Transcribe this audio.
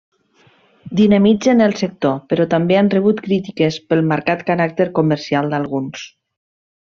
Dinamitzen el sector, però també han rebut crítiques pel marcat caràcter comercial d’alguns.